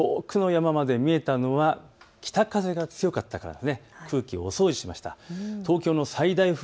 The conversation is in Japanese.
このように遠くの山まで見えたのは北風が強かったからです。